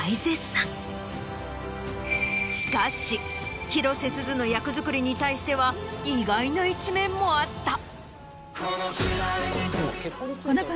しかし広瀬すずの役作りに対しては意外な一面もあった。